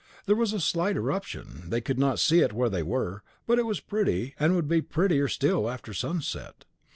There was a slight eruption; they could not see it where they were, but it was pretty, and would be prettier still after sunset.